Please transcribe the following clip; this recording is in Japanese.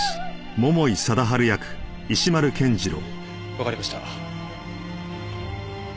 わかりました。